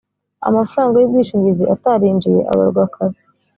amafaranga y’ubwishingizi atarinjiye abarwa kare